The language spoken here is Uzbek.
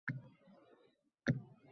Nega aka so`zini qo`shib gapirmayapsan